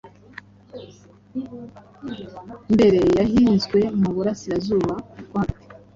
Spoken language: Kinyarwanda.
mbere yahinzwe mu burairazuba bwo hagati